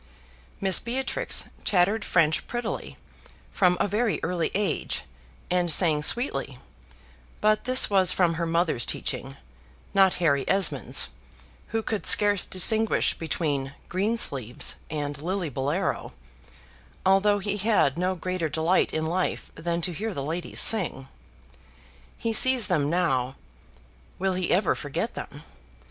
Mistress Beatrix chattered French prettily, from a very early age; and sang sweetly, but this was from her mother's teaching not Harry Esmond's, who could scarce distinguish between "Green Sleeves" and "Lillibullero;" although he had no greater delight in life than to hear the ladies sing. He sees them now (will he ever forget them?)